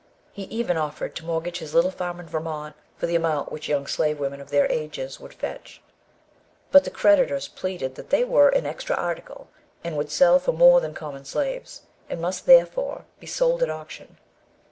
He even offered to mortgage his little farm in Vermont for the amount which young slave women of their ages would fetch. But the creditors pleaded that they were "an extra article," and would sell for more than common slaves; and must, therefore, be sold at auction.